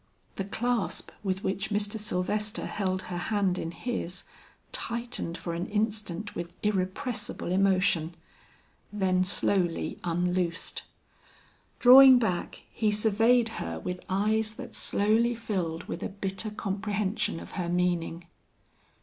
The clasp with which Mr. Sylvester held her hand in his, tightened for an instant with irrepressible emotion, then slowly unloosed. Drawing back, he surveyed her with eyes that slowly filled with a bitter comprehension of her meaning.